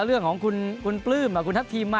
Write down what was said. เรื่องของคุณปลื้มคุณทัพทีมมา